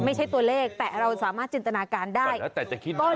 ไม่ใช่ตัวเลขแต่เราสามารถจินตนาการได้แล้วแต่จะคิดได้